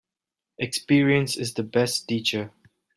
Experience is the best teacher.